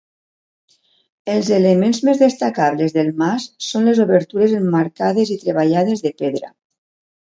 Els elements més destacables del mas són les obertures emmarcades i treballades de pedra.